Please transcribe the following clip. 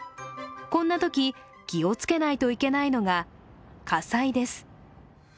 こんなとき、気をつけないといけないのが火災です。